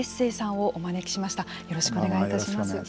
よろしくお願いします。